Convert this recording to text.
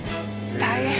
大変！